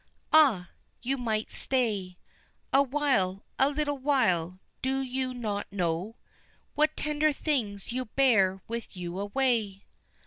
Ah, you might stay Awhile, a little while, do you not know What tender things you bear with you away?